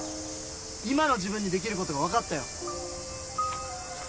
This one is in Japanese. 今の自分にできることが分かったよ。